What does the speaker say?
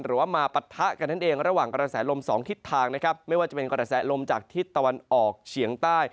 หรือว่ามาปะทะกันนั่นเองระหว่างกระแสลมสองทิศทางนะครับไม่ว่าจะเป็นกระแสลมจากทิศตะวันออกเฉียงใต้